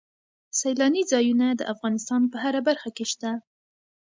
سیلاني ځایونه د افغانستان په هره برخه کې شته.